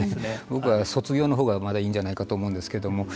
僕は、卒業のほうがまだいいんじゃないかと思うんですけども。